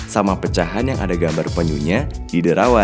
sama pecahan yang ada gambar penyunya di derawa